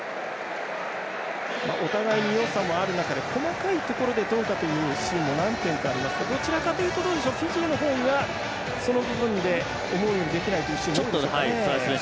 お互いによさもある中で細かいところで、どうかというシーンも何点かありますがどちらかというとフィジーの方が思うようにできないシーンが多いですかね。